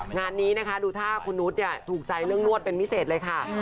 งานนี้นะคะดูท่าคุณนุษย์ถูกใจเรื่องนวดเป็นพิเศษเลยค่ะ